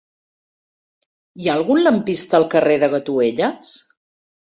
Hi ha algun lampista al carrer de Gatuelles?